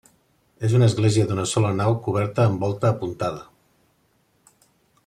És una església d'una sola nau coberta amb volta apuntada.